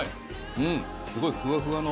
うんすごいふわふわの。